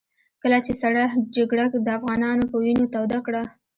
کله چې سړه جګړه د افغانانو په وينو توده کړه.